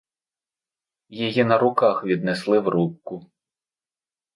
Її на руках віднесли в рубку.